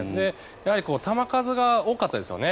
やはり球数が多かったですよね。